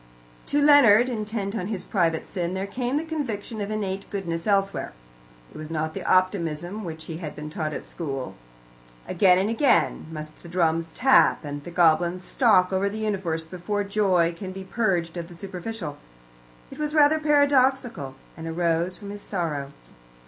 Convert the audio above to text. To Leonard, intent on his private sin, there came the conviction of innate goodness elsewhere. It was not the optimism which he had been taught at school. Again and again must the drums tap, and the goblins stalk over the universe before joy can be purged of the superficial. It was rather paradoxical, and arose from his sorrow.